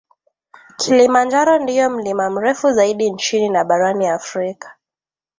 Kilimanjaro ndiyo mlima mrefu zaidi nchini na barani Afrika